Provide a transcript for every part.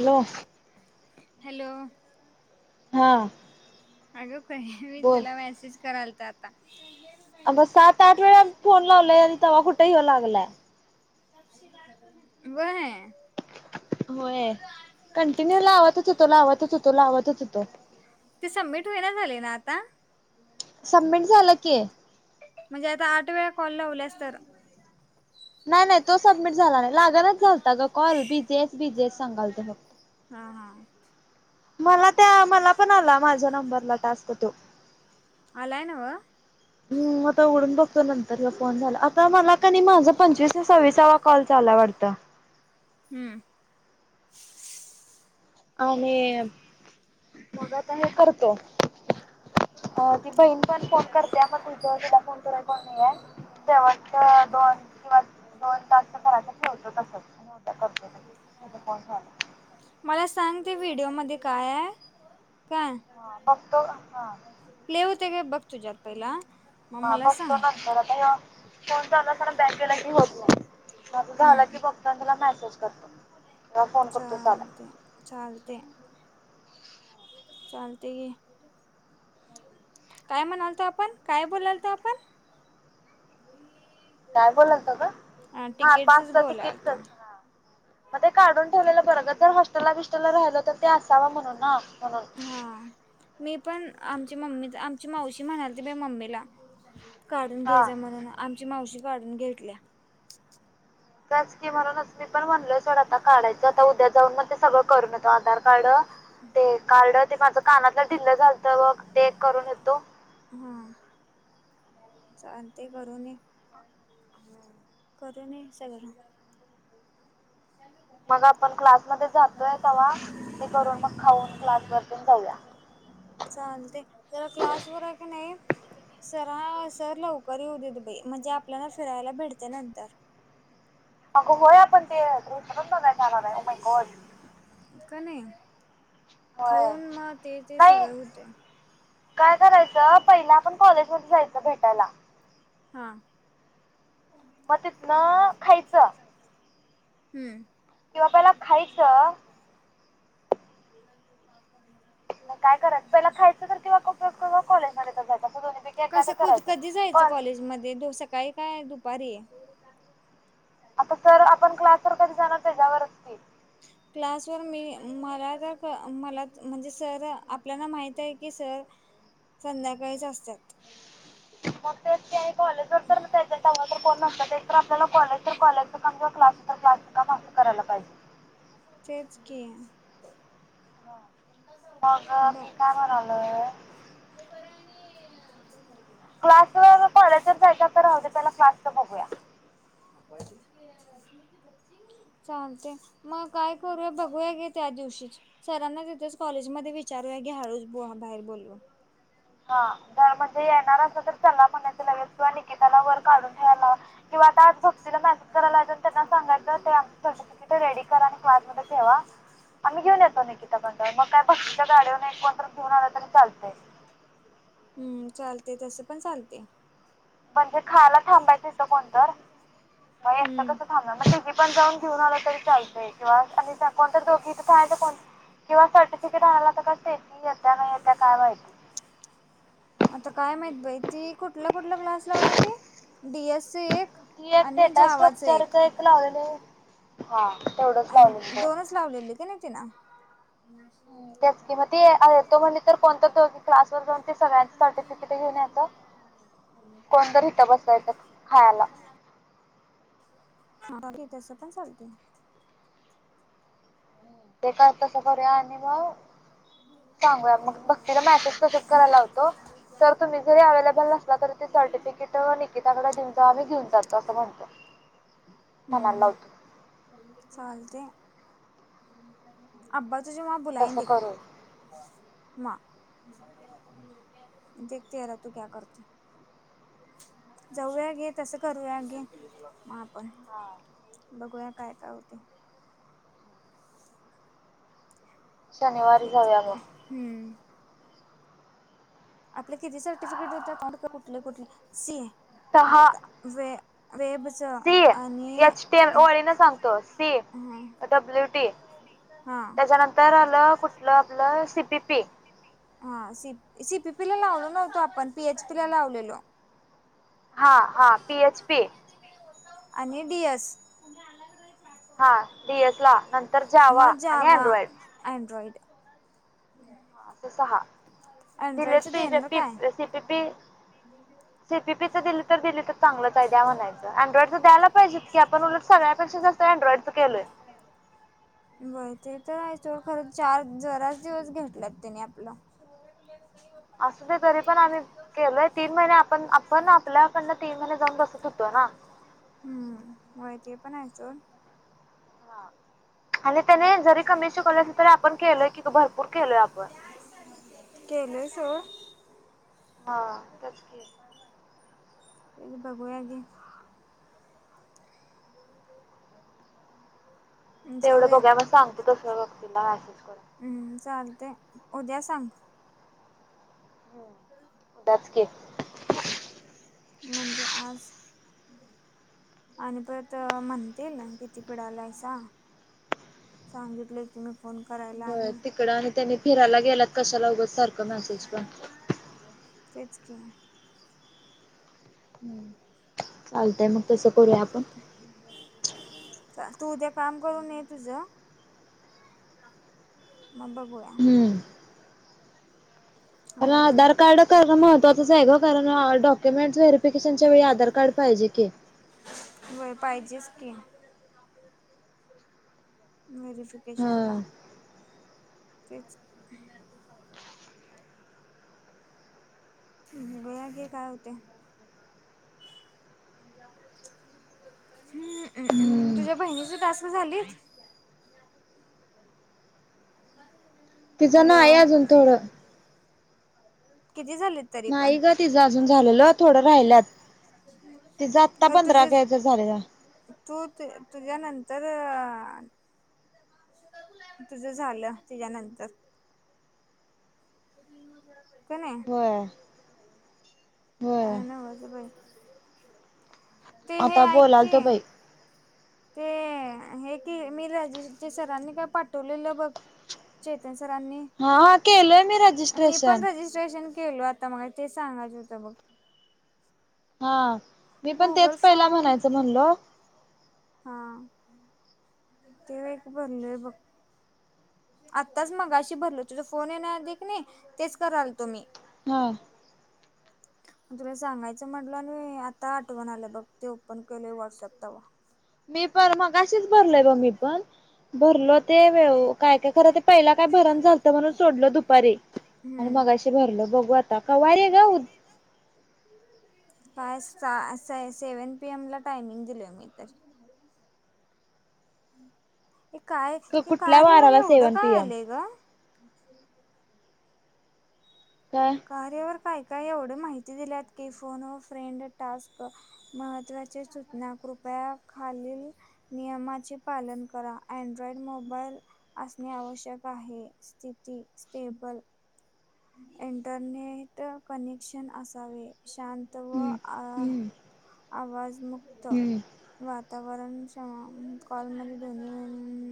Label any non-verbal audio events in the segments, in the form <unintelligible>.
Hello hello हा अगं काय मी बोल तुला मेसेज करालतो आता अगं सात आठ वेळा फोन लावलाय आणि तवा कुठ ह्यो लागलाय. व्हय होय, कंटिन्यू लावतच होतो. लावतच होतो. लावतच होतो. ते सबमिट होईना झा. आत्ता. सबमिट झालं की. म्हणजे आता आठ वेळा कॉल लावल्यास तर. नाही-नाही तो सबमिट झाला नाही. लागनच झालता ग कॉल बिझी हाईस. बिझी हाईस सांगालत फक्त. हा. हा. मला त्या. मला पण आला माझ्या नंबरला टास्क तो. अलाय नव्ह. हम आता उघडून बघतो नंतरन फोन झाला, आता मला कनी माझ पंचवीस काय सवीसावा कॉल चाललाय वाटत. हम्म. आणि मग आता हे करतो. अ ती बहीण पण फोन करतिया, मग पुढच्या वेळी तिला फोन करायचा नाही हाय <unintelligible> दोन <unintelligible> <unintelligible> किंवा दोन तास करायचं ठेवतो तसंच आणि उद्या करतो तिचा फोन झाला मला सांग. ते व्हिडिओमध्ये काय हाय? हा मग तो प्ले होतय काय बघ तुझ्यात पहिला? मग हा मला बघतो सांग बघतो, <unintelligible> ह्यो. फोन चालू असताना बॅक केला की होत नाही, मग माझं झाला की, बघतो आणि तुला मॅसेज चालतय चालतय. चालतय घे. काय म्हणाल तो आपण? काय बोलाल तो आपण? काय बोलाल तो ग? हा तिकीटचच पासच तिकिटचच बोलालतो हा, म ते काढून ठेवलेलं बर, जर हॉस्टेलला बिस्टेलला राहिलो तर, ते असाव म्हणून ना म्हणून हा मी पण आम आमची मम्मीच, आमची मावशी म्हणालती मम्मीला, काढून घे हा जा म्हनुन, आमची मावशी काढून घेटल्या. तेच की, म्हणूनच मी पण म्हणलोय सोड आता काढायचं, आता उद्या जाऊन मग ते सगळं करून येतो. आधार कार्ड ते आधार ते माझं कार्ड, कानातलं ढिल्लं पॅन झालतं बघ ते कार्ड करून <unintelligible> <inaudible> चालतय करुन ये. करूये सगळं. मग आपण क्लासमध्ये जातोय तवा. ते करून मग खाऊन क्लास वर तेन जातोय. चालतय त्याला क्लास वरये कणी. सर हा सर लवकर येऊदे बाई. म्हणजे आपल्याला फिरायला भेटते नंतर. अगं होय आपण ते <inaudible> बघायला जाणार हाय ओ माय गॉड. का नाही होय खाऊन म ते-ते नाही सगळ होतय. काय करायचं पहिला आपण कॉलेज मध्ये जायचं भेटायला. हा. मग तिथन खायचं. हम्म. किंवा पहिला खायचं. ग <unintelligible> ह. कॉलेजमध्ये तर जायचं असं दोन्हीपैकी कस एखादं कु! करायचं कधी जायचं पण कॉलेज मध्ये? सकाळी काय दुपारी. आता सर आपण क्लासवर कधी जाणार त्याच्यावर की. क्लासवरून मी मला तर मला म्हणजे सर आपल्याला माहित आहे की सर. संध्याकाळीच असतात. <inaudible> मग तेच की आणि कॉलेजवर तर त्याच्या संग तर कोण नसत ते तर आपल्याला कॉलेज कॉलेज ममजा क्लास बांधकाम अस करायला पाहिजे तेच की मग <unintelligible> मी बग काय म्हणालोय <unintelligible> क्लासवर व कॉलेजवर जायच्या तर राहते त्याला फलॅटच बघूया चालतय मग काय करूया बघूया गे त्या दिवशी सरांना तिथेच कॉलेजमध्ये विचारूया की हळूस बाहेर बोलवून हा म्हणजे येणार अस तर चल्ला पणाच लगेच किंवा निकिताला वर काढून ठेयय लावा किंवा आज मेसेज करायला लावायचा आणि त्यांना सांगायचं ते आमचं सर्टिफिकेट रेडी करा आणि क्लासमध्ये ठेवा <inaudible> आम्ही घेऊन येतो निकिता कडन मग काय भक्तीच्या गाडी वरण एक कोण तर घेऊन आलं तरी चालतंय हम्म चालते तस पण चालतय <unintelligible> खायला थांबायचं इथं कोणतर मग एकट कसं हम्म थांबणार मग तिघी पण जाऊन घेऊन आलं तरी चा किंवा आणि कोणत दोघ <unintelligible> किंवा सर्टिफिकेट आणायला तर <unintelligible> काय हा य आता काय माहिती आता काय माहित बाई त कुठला कुठला क्लास लावलेली डी एस सी एक ती एक आणि डेटा जावाच एक स्ट्रक्चरच लावलेलं हा तेवढंच आणि लावलेलं दोनच लावलेली की नाही ति न. ते तेच की मग ते तो म्हणली तर कोणतं तो क्लासवर जाऊन ते सगळ्यांचं <unintelligible> सर्टिफिकेट घेऊन यायचं कोणतरी इथं बसवायचं खायला <unintelligible> <unintelligible> ह तसं पण चालते. ते काय तसं करूया आणि मग चांगू मग बघ तिला मॅसेज तसेज करायला लावतो. तर तुम्ही जरी अवे्हेलेबल नसला तरी, ते सर्टिफिकेट निकिताकडे देऊन आम्ही देऊन जातो असं म्हणतो. मला लावतो. चालतंय. आपण तसं करू <unintelligible> म देखते हरा तू क्या करते. जाऊया घे, तसं करूया घे बघूया काय काय होते. शनिवारी तेच जाऊया मग, आपल्या किती सर्टिफिकेट होत कुठले, कुठले सी सहा व सी एचटी ओळी न सांगतो सी ह डब्ल्यू टी. हा त्याच्यानंतर आलं कुठलं आपलं सी पी पी हा स सीपीपी ला लावलो नव्हतो आपण पीएच पी ला लावलेलो. हा हा पीएच पी. आणि डी एस. हा डीएस ला नंतर जावा मग आणि जावा अँड्रॉइड. अँड्रॉइड अस सहा अँड्रॉइडचं दिलेपी देणार पी काय C P P. C P P चा दिल. तर दिली तर चांगलंच द्या म्हणायचं. अँड्रॉइड च द्यायाला पाहिजे की आपण उट सगळ्याेक्षा जास्त अँड्रॉइड च केलोय. <unintelligible> बग ते, तो खर चार जराच दिवस घेतलात त्याने आपलं. असू दे तरी पण आम्ही केलोय मी म्हणलं जाऊन बसू शकतो ना. हम्म <unintelligible> हा आणि त्याने जरी कमी शिकवलं असेल तर, आपण केलय की भरपूर केलोय आपण. केलोय सोड हा त्याचकी. बघुया घे. <unintelligible> तेवढं जाऊया बघूया मग सांगतो तसं हम्म चालतंय उद्या सांग. उद्याच की. म्हणजे आज. आणि परत म्हणतील किती पिडालायसा. सांगितले की मी फोन करायला आणि. त्यानी फिरायला गेल्यात कशाला उगच सारख मेसेज करतेस. तेच की, आहे. ह चालतय मग तसं करूया आपण तू उद्या काम करून ये तुझ. मग बघुया. मला आधार कार्ड करण महत्त्वाचच आहे ग कारण डॉक्युमेंट व्हेरिफिकेशनच्या वेळी आधार कार्ड, पाहिजे की. होय पाहिजेच की. हा <unintelligible> तचि <inaudible> बगा की काय व्होतय हम्मम्म्म हम्म तुझ्या बहिणीची टास्क झालीत <unintelligible> तिचं ना हॅलो आहे अजून थोडं किती झालीत नाही ग तिझं अजून झालेल थोडं राहिल्यात तिचं आत्ता खर पंधरा तुझे काय तर झालेला. <unintelligible> तू तुझ्या तुझ्यानंतर <unintelligible> तुझं झालं तीच्यानंतर <inaudible> होया काय नव्हच बइ आता बोलाल तो बई ते हे की मी राजेश सरांनी काय पाठवलेलं बघ चेतन सरांनी हा हा केलोय मी मी पण रजिस्ट्रेशन रजिस्ट्रेशन केलो आता मला ते सांगायचं होत बघ हा मी पण तेच गुगल पहिला फॉर्म म्हणायचं म्हणलो हा ते एक भरलोय बघ आत्ताच मगाशी भरलो तुझ फोन येण्या आधी कीनई तेच कराल हा <inaudible> तुला सांगायचं म्हटलं आणि मी आता आठवण आलं बघ ते ओपन केले व्हॉट्सअप तवा मी पण मगाशीच भरलय ब मी पण भरलो ते वे - - काय काय खरं ते पहिला काय भरण झालतं म्हणून सोडलं दुपारी आणि हम्म मगाशी भरल बघू ता का वारे ग काय <unintelligible> सेव्हन पीएम ला टायमिंग दिलोय मी तर हे काय हे कुठल्या कार्यवर वाराला एवढं सेवन पी काय एम आलंय ग काय कारर्यावर काय का एवढी माहिती दिल्यात की फोन व फ्रेंड टास्क महत्त्वाचे सूचना कृप त्या खालील नियमाचे पालन करा अँड्रॉइड मोबाईल असणे <unintelligible> आवश्यक आहे स्थिती स्टेबल इंटरनेट कनेक्शन असावे शांत व हम्म आ हम्म आवाजमुक्त हम्म वाताव वरण <unintelligible> कॉलमध्ये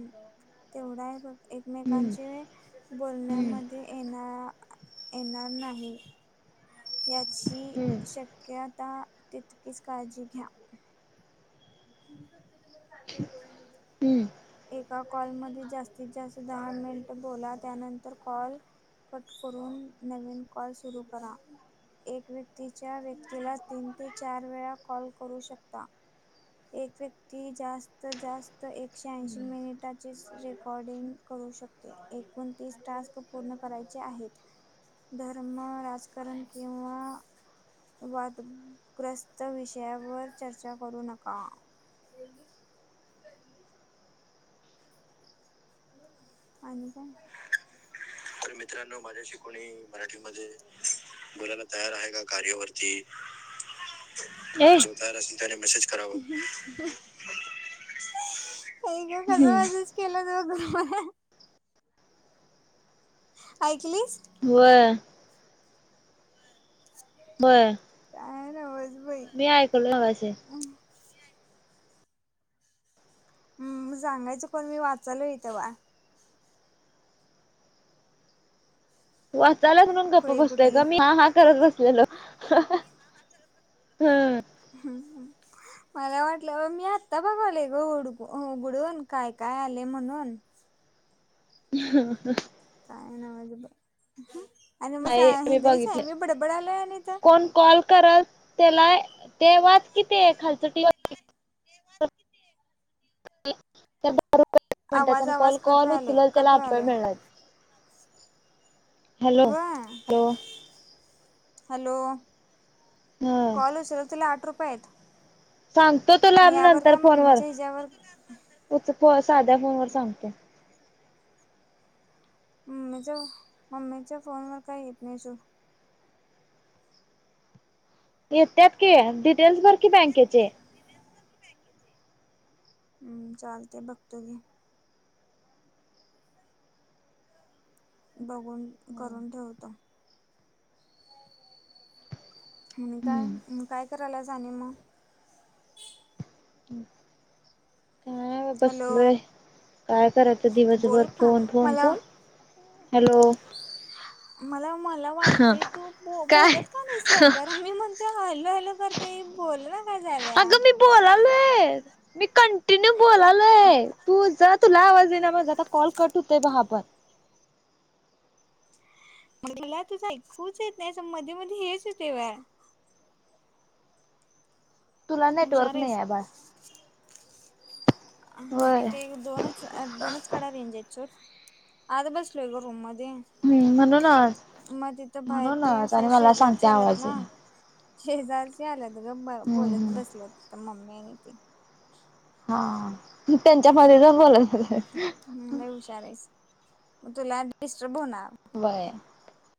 <inaudible> तेवढ आहे बघ हम्म एकमेकांचे हम्म बोलण्यामध्ये येणा येणार नाही याची हम्म शक्यता तितकीच काळजी घ्या <inaudible> एका कॉलमध्ये जास्तीत जास्त दहा मिनिट बोला त्यानंतर कॉल कट करून नवीन कॉल सुरू करा एक व्यक्तीच्या व्यक्तीला तीन ते चार वेळा कॉल करू शकता एक व्यक्ती जास्त जास्त एकशे ऐंशी मिनिटाचीच रेकॉर्डिंग करू शक एकोणतीस टास्क पूर्ण करायचे आहेत धर्म राजकारण किंवा वादग्रस्त विषयावर चर्चा करू <unintelligible> का अन <inaudible> तर मित्रांनो माझ्याशी कोणी मराठीमध्ये बोलाला तयार आहे का कार्यवरती ए जताार अस त मेसेज करव ग हम्म कसजूच केलं तोघ ऐकलीस हो बरं काय नावज भाई मगाशी हम् सांगायचं कोण मी वाचाल हो आहे तेव्हा वाचालाच म्हणून गप्प खुळी बसतय कुठली का मी हा हा करत बसत हलो हम्म मला वाटलं ब मी आता बघवले ग उडघडून काय काय काय आले म्हणून ह ह ह काय ना माजे ब नाही मी बघितले आणि तर कोण कॉल करत त्याला ते वाच किती खालच कल मिनट आवाज आणि कॉल आवाज कट कॉल व्हायले उचलल त्याला कट अठवाय व्हायले मिळणार हॅलो वा हॅलो हॅलो हा कॉल होशल तिला आठ रुपये आहेत सांगतो मग तुला यावर नंतर काय फोन मम्मीच्या हिच्यावर व साध्या फोन वर सांगते मम्मीच्या मम्मीच्या फोनवरर काही येत नाही सर येत्यात की डिटेल्स बर की बँकेचे हम्म चालतेय बघतो गी बघून करून ठेवत आणि काय हम्म काय करायला जाणे मग काय हॅलो बसलोय काय करायचं तू बोल दिवसभर का फोन फोन मला फोन हॅलो मला मला हा वाढते तू काय बोलत का नाहीस लवकर मी म्हणते हॅलो हॅलो करते बोल अगं मी बोलालोय मी कंटिन्यू बोलालो य तूझ तुला आवाज येईना ना माझा आता कॉल कट होतय ब हा पण म तुला तुझं ऐकूच येत नाही मध्ये मध्ये हेच येत व्हय तुला नेटवर्क हुशार नाही आहेस. आहे बाळ हा होय. इथे दोनच दोनच कड रेंज आहेत <inaudible> आता बसलो एक रूम मध्ये हम्म म्हणूनच ते मग तिथं बाहेर ते म्हणूनच अस आणि मला सांगते शेजार आलात आवाज ना येईना. शेजारचे आलंत ग हम्म बोलत हम्म बसल मम्मी आणि ते हा तु त्यांच्या असं मधे जाऊन बोलत आता लाट डिस्टर्ब होणार व्हय.